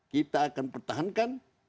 kita akan pertahankan